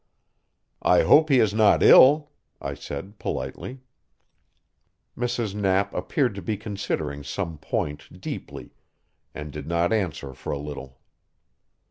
"I hope he is not ill," I said politely. Mrs. Knapp appeared to be considering some point deeply, and did not answer for a little.